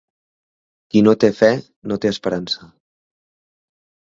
Qui no té fe, no té esperança.